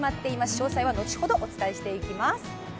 詳細は後ほどお伝えしていきます。